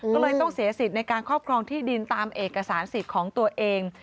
ก็เลยต้องเสียสิทธิ์ในการครอบครองที่ดินตามเอกสารสิทธิ์ของตัวเอง